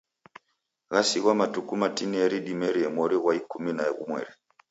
Ghasighwa matuku matineri dimerie mori ghwa ikumi na ghumweri.